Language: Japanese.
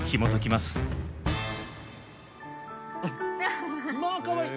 まあかわいい！